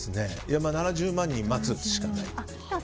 ７０万人待つしかないという。